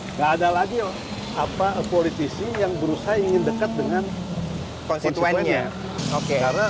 nggak ada lagi politisi yang berusaha ingin dekat dengan konstituennya